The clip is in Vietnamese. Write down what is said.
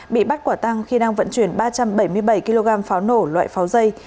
bị bắt quả tăng khi đang vận chuyển ba trăm bảy mươi bảy kg pháo nổ loại pháo dây